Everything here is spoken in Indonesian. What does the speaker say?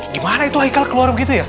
gimana itu haikal keluar begitu ya